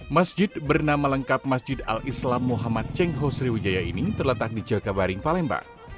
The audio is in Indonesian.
masjid bernama lengkap masjid al islam muhammad cengho sriwijaya ini terletak di jakabaring palembang